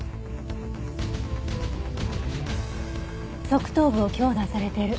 側頭部を強打されてる。